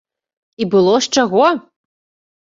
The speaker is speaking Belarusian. І было з чаго!